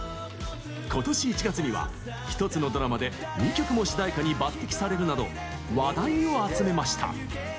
今年１月には、１つのドラマで２曲も主題歌に抜てきされるなど話題を集めました。